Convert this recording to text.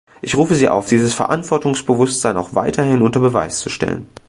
Ich rufe sie auf, dieses Verantwortungsbewusstsein auch weiterhin unter Beweis zu stellen.